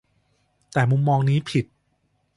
แต่มุมมองนี้ผิด